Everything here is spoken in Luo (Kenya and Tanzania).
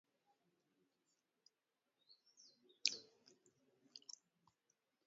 Opira oserumo koro jotugo wuok e pap